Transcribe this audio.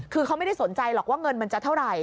คือเขาไม่ได้สนใจหรอกว่าเงินมันจะเท่าไหร่